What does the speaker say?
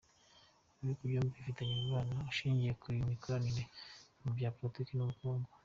Ibihugu byombi bifitanye umubano ushingiye ku mikoranire mu bya politiki n’ubukungu.